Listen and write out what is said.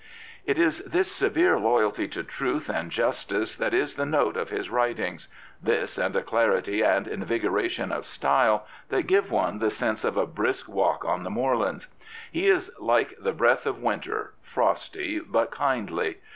It is this severe loyalty to truth and justice that is the note of his writings — this and a clarity and inyjgoration of style that give one the sense of a brisk walk on the moorlands. He is like the breath of winter —" frosty, but kindly."